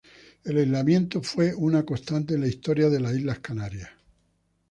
El aislamiento fue una constante en la Historia de las Islas Canarias.